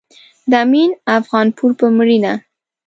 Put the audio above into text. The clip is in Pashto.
د امين افغانپور په مړينه